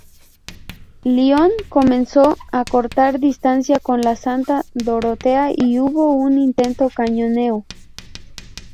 Lion comenzó a acortar distancias con la Santa Dorotea y hubo un intenso cañoneo.